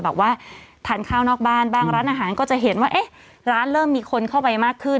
บอกว่าทานข้าวนอกบ้านบ้างร้านอาหารก็จะเห็นว่าเอ๊ะร้านเริ่มมีคนเข้าไปมากขึ้น